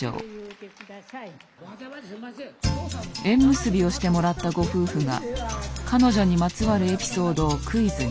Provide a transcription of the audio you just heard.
縁結びをしてもらったご夫婦が彼女にまつわるエピソードをクイズに。